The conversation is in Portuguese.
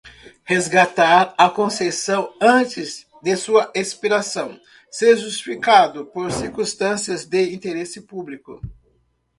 Resgatar a concessão antes de sua expiração, se justificado por circunstâncias de interesse público.